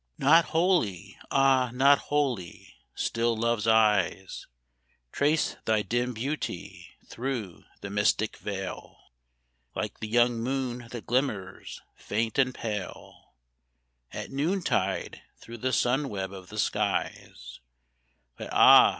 Not wholly ah! not wholly still Love's eyes Trace thy dim beauty through the mystic veil, Like the young moon that glimmers faint and pale, At noontide through the sun web of the skies; But ah!